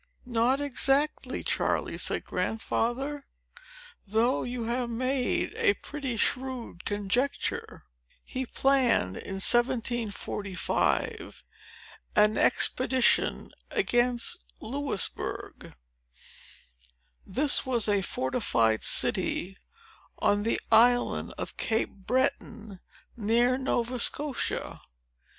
"Not exactly, Charley," said Grandfather, "though you have made a pretty shrewd conjecture. He planned, in 1745, an expedition against Louisbourg. This was a fortified city, on the Island of Cape Breton, near Nova Scotia.